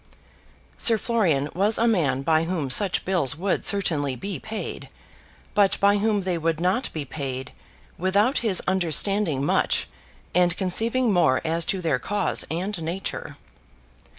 Sir Florian was a man by whom such bills would certainly be paid, but by whom they would not be paid without his understanding much and conceiving more as to their cause and nature.